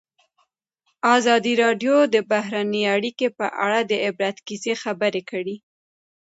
ازادي راډیو د بهرنۍ اړیکې په اړه د عبرت کیسې خبر کړي.